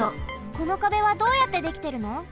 この壁はどうやってできてるの？